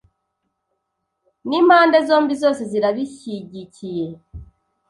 n’impande zombi zose zirabishyigikiye